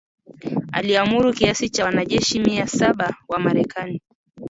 aliamuru kiasi cha wanajeshi mia saba wa Marekani